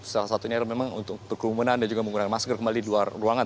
salah satunya memang untuk berkerumunan dan juga menggunakan masker kembali di luar ruangan